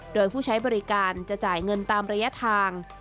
โดยผู้ใช้บริการจะจ่ายเงินตามระยะทาง